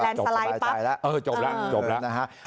แล้วสไลด์ปั๊บเออจบแล้วจบแล้ว